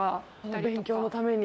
勉強のために？